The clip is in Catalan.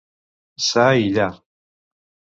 Ça i lla.